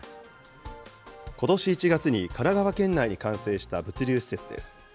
ことし１月に神奈川県内に完成した物流施設です。